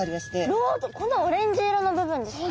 このオレンジ色の部分ですか？